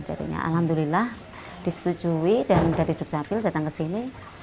jadinya alhamdulillah disetujui dan dari dukcapil datang ke sini